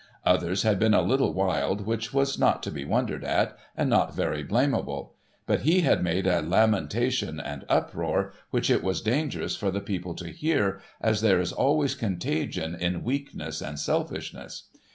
Others had been a little wild, which was not to be wondered at, and not very blamable ; but, he had made a lamentation and uproar which it was dangerous for the people to hear, as there is always contagion in weakness and selfishness.